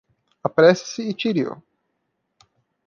Apresse-se e tire-o